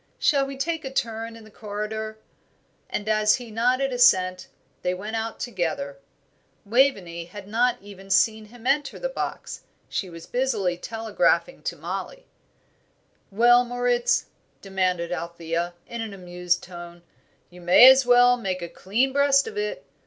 "Shall we take a turn in the corridor?" And as he nodded assent, they went out together. Waveney had not even seen him enter the box; she was busily telegraphing to Mollie. "Well, Moritz?" demanded Althea, in an amused tone, "you may as well make a clean breast of it.